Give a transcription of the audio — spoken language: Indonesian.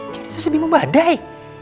jadi tuh si bimo badai